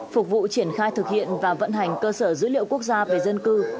phục vụ triển khai thực hiện và vận hành cơ sở dữ liệu quốc gia về dân cư